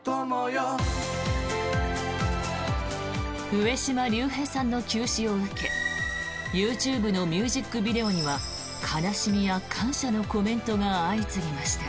上島竜兵さんの急死を受けＹｏｕＴｕｂｅのミュージックビデオには悲しみや感謝のコメントが相次ぎました。